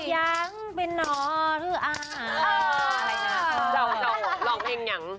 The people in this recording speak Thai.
เจ้าลองเพลงยัง